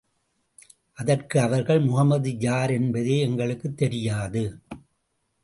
அதற்கு அவர்கள், முஹம்மது யார் என்பதே எங்களுக்குத் தெரியாது.